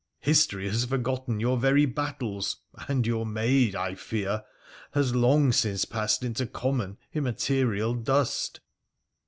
History has forgotten your very battles, and your maid, I fear, has long since passed into common, im material dust.'